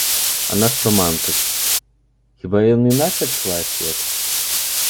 А наш рамантык, хіба ён іначай адчувае свет?